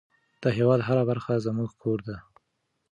د هېواد هره برخه زموږ کور دی.